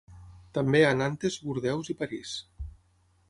També a Nantes, Bordeus i París.